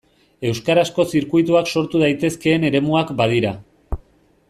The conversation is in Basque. Euskarazko zirkuituak sortu daitezkeen eremuak badira.